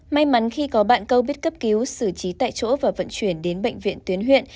may mắn khi có bạn câu biết cấp cứu xử trí tại chỗ và vận chuyển đến bệnh viện tuyến huyện